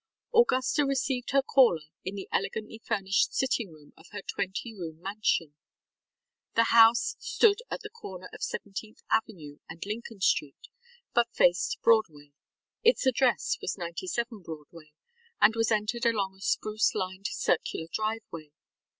ŌĆØ Augusta received her caller in the elegantly furnished sitting room of her twenty room mansion. The house stood at the corner of Seventeenth Avenue and Lincoln Street but faced Broadway. Its address was 97 Broadway, and was entered along a spruce lined circular driveway.